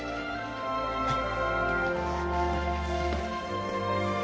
はい。